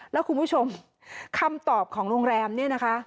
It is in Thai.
แล้วคุณผู้ชมคำตอบของโรงแรมเนี่ยนะคะ